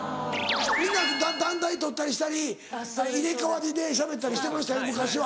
皆団体でとったりしたり入れ代わりでしゃべったりしてましたよ昔は。